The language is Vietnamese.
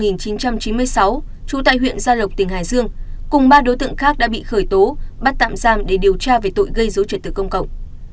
năm một nghìn chín trăm chín mươi sáu chủ tại huyện gia lục tỉnh hải dương cùng ba đối tượng khác đã bị khởi tố bắt tạm giam để điều tra về tội gây dấu trật tự công cộng